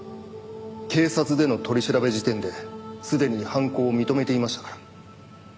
警察での取り調べ時点ですでに犯行を認めていましたから。